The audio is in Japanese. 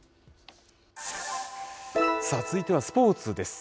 さあ、続いてはスポーツです。